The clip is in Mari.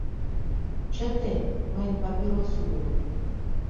— Чыте, мыйын папирос уло.